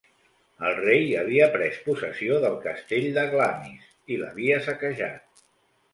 El rei havia pres possessió del Castell de Glamis i l'havia saquejat.